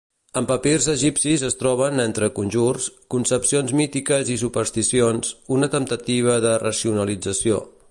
En papirs egipcis es troben, entre conjurs, concepcions mítiques i supersticions, una temptativa de racionalització.